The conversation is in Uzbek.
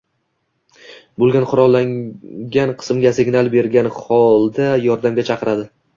bo‘lgan qurollangan qismga signal bergan holda yordamga chaqiradi.